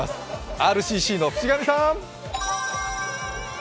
ＲＣＣの渕上さん。